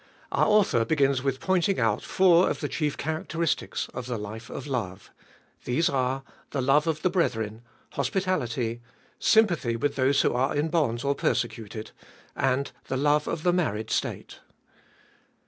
Our author begins with pointing out four of the chief characteristics of the life of love. These are, the love of the brethren, hospi tality, sympathy with those who are in bonds or persecuted, and the love of the married state.